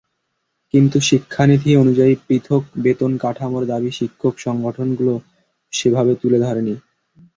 কিন্তু শিক্ষানীতি অনুযায়ী পৃথক বেতনকাঠামোর দাবি শিক্ষক সংগঠনগুলোও সেভাবে তুলে ধরেনি।